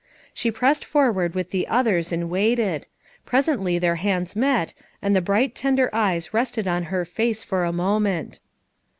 She pressed forward with the others and waited. Presently their hands met and the bright, tender eyes rested on her face for a mo ment.